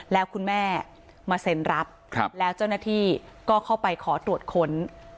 แล้วคุณแม่มาเซ็นรับแล้วเจ้าหน้าที่ก็เข้าไปขอตรวจค้น